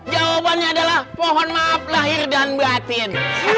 jawabannya adalah pohon maaf lahir dan beratin